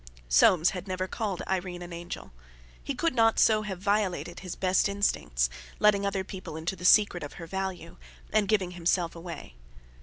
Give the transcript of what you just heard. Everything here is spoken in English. Soames had never called Irene an angel. He could not so have violated his best instincts, letting other people into the secret of her value, and giving himself away.